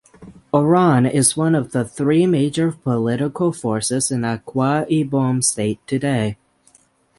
Oron is one of the three major political forces in Akwa Ibom State today.